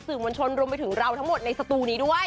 สื่อมวลชนรวมไปถึงเราทั้งหมดในสตูนี้ด้วย